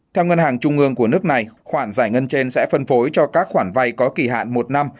theo ngân hàng trung ương của nước này khoản giải ngân trên sẽ phân phối cho các khoản vay có kỳ hạn một năm